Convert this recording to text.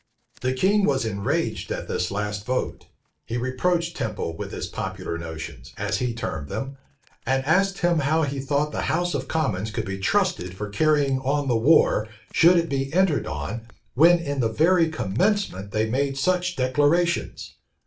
The king was enraged at this last vote: he reproached Temple with his popular notions, as he termed them; and asked him how he thought the house of commons could be trusted for carrying on the war, should it be entered on, when in the very commencement they made such declarations.